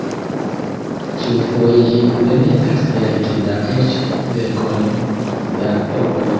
Ĉiufoje ĝi demetas kelke da eĉ dekojn da ovoj.